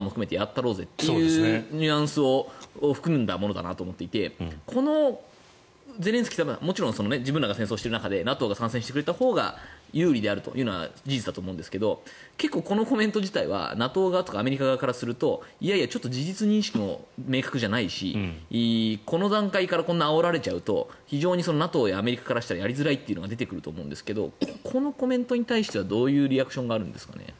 ロシアと戦争をＮＡＴＯも含めてやってやろうぜというニュアンスを含んだものだなと思っていてこのゼレンスキーさんはもちろん自分らが戦争する中でＮＡＴＯが参戦してくれたほうが有利であるというのは事実だと思うんですが結構このコメント自体はＮＡＴＯ側とかアメリカ側からすると事実認識も明確じゃないしこの段階からこんなにあおられちゃうとＮＡＴＯやアメリカからしたらやりづらいというのが出てくると思うんですがこのコメントに対してはどういうリアクションがあるんですかね。